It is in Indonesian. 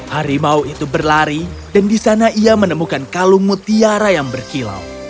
harimau itu berlari dan di sana ia menemukan kalung mutiara yang berkilau